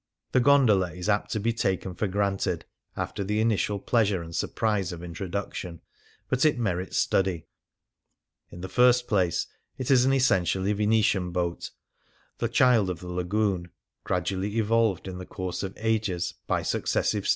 The gondola is apt to be "taken for o ranted " after the initial pleasure and surprise of introduction. But it merits study. In the first place, it is an essentially Venetian boat, the child of the Lagoon, gradually evolved in the course of ages by successive stages, manv io8 H.